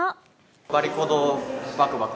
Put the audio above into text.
バリ鼓動、バクバク。